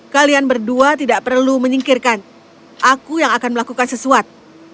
kalian berdua tidak perlu menyingkirkan aku yang akan melakukan sesuatu